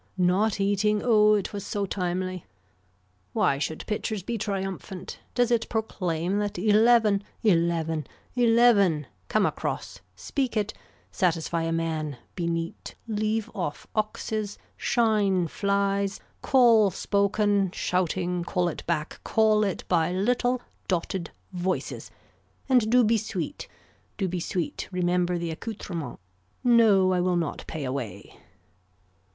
Not eating Oh it was so timely. Why should pitchers be triumphant. Does it proclaim that eleven, eleven, eleven, come across, speak it, satisfy a man, be neat, leave off oxes, shine flies, call spoken shouting call it back call it by little dotted voices and do be sweet, do be sweet, remember the accoutrement. No I will not pay away.